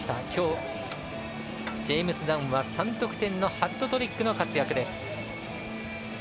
きょう、ジェームズ・ダンは３得点のハットトリックの活躍です。